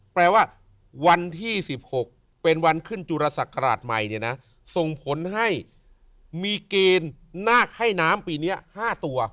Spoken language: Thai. แปลว่าวันที่๑๖เป็นวันขึ้นจุรศักราชใหม่เนี่ยนะส่งผลให้มีเกณฑ์นาคให้น้ำปีนี้๕ตัว